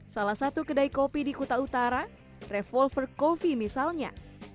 salah satu kedai kopi di kuta utara revolver coffee misalnya